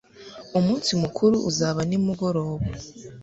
umunsi mukuru uzaba nimugoroba